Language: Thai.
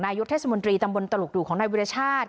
นายยกเทศบนตรีตำบลตลกดูของนายวิทยาชาติ